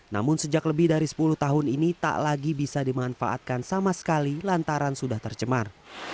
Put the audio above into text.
namun sejak lebih dari sepuluh tahun ini tak lagi bisa dimanfaatkan sama sekali lantaran sudah tercemar